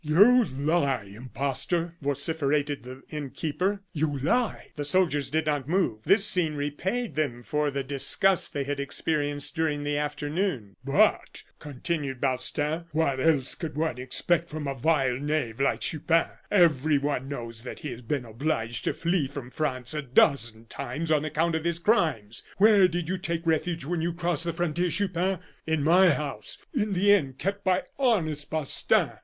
"You lie, impostor!" vociferated the innkeeper; "you lie!" The soldiers did not move. This scene repaid them for the disgust they had experienced during the afternoon. "But," continued Balstain, "what else could one expect from a vile knave like Chupin? Everyone knows that he has been obliged to flee from France a dozen times on account of his crimes. Where did you take refuge when you crossed the frontier, Chupin? In my house, in the inn kept by honest Balstain.